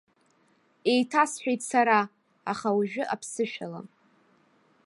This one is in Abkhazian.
Еиҭасҳәеит сара, аха ожәы аԥсышәала.